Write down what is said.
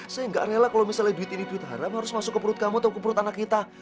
saya nggak rela kalau misalnya duit ini duit haram harus masuk ke perut kamu atau ke perut anak kita